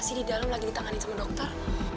masih di dalam lagi ditangani sama dokter